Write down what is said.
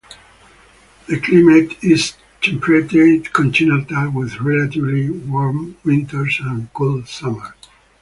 The climate is temperate continental with relatively warm winters and cool summers.